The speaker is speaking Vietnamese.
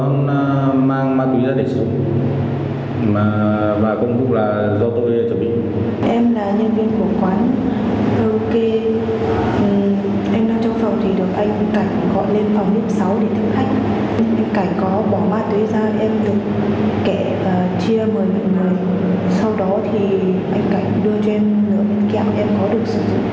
cảnh có bỏ ma túy ra em được kệ và chia mời mọi người sau đó thì anh cảnh đưa cho em lượng kẹo em có được sử dụng